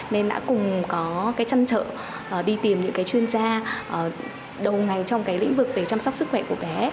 nên đã cùng có chăn trợ đi tìm những chuyên gia đầu ngành trong lĩnh vực chăm sóc sức khỏe của bé